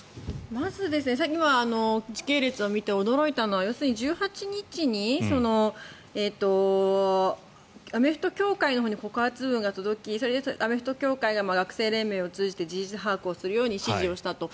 まず今、時系列を見て驚いたのは要するに１８日にアメフト協会のほうに告発文が届きアメフト協会が学生連盟を通じて事実把握をするようにしたと。